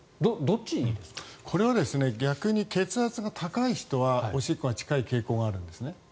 これは逆に血圧が高い人はおしっこが近い傾向があるんですね。